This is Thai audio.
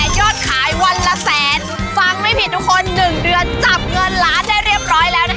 ยอดขายวันละแสนฟังไม่ผิดทุกคน๑เดือนจับเงินล้านได้เรียบร้อยแล้วนะคะ